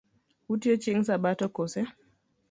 Utiyo chieng’ sabato koso?